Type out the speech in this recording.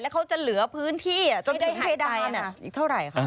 แล้วเขาจะเหลือพื้นที่จนถึงให้ได้อีกเท่าไหร่